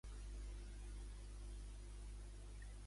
Què ocórrer-li en anar a la posada?